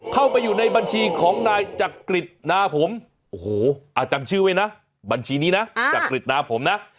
เข้าไปอยู่ในบัญชีของนายจักริตนาผมโอ้โหจำชื่อไว้นะบัญชีนี้นะจักริตนาผมนะ